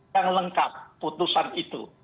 yang lengkap putusan itu